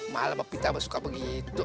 malah mbak pita suka begitu